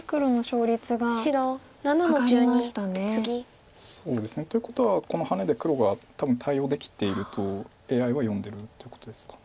上がりましたね。ということはこのハネで黒が多分対応できているとＡＩは読んでるってことですか。